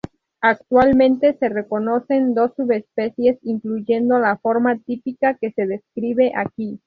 Actualmente, se reconocen dos subespecies, incluyendo la forma típica que se describe aquí.